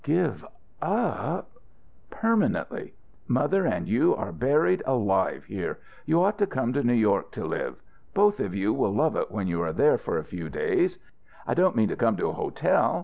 "Give up " "Permanently. Mother and you are buried alive here. You ought to come to New York to live. Both of you will love it when you are there for a few days. I don't mean to come to a hotel.